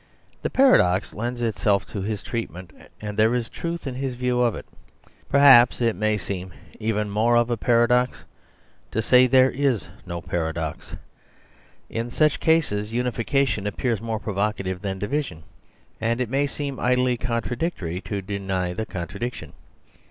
The paradox lends itself to his treat ment, and there is a truth in his view of it Perhaps it may seem even more of a paradox to say there is no paradox. In such cases unification appears more provocative than division; and it may seem idly contradictory to deny the contradiction.